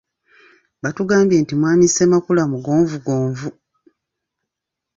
Batugambye nti mwami Ssemakula mugonvugonvu.